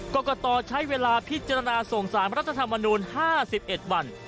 ก็กระต่อใช้เวลาพิจารณาส่งสารรัฐธรรมนุนห้าสิบเอ็ดวัน